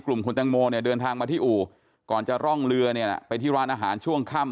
กลุ่มคุณแจงโมเดินทางมาที่อู่ก่อนจะร่องเรือไปที่ร้านอาหารช่วงค่ำ